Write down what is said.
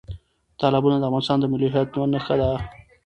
تالابونه د افغانستان د ملي هویت یوه نښه ده.